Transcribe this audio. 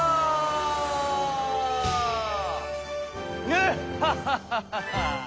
ヌッハハハハハ！